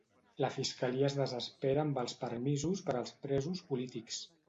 La fiscalia es desespera amb els permisos per als presos polítics.